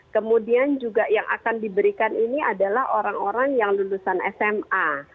kemudian juga yang akan diberikan ini adalah orang orang yang lulusan sma